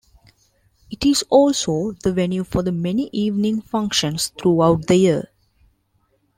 It is also the venue for the many evening functions throughout the year.